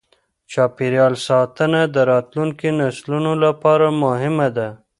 چاپیریال ساتنه د راتلونکې نسلونو لپاره مهمه ده.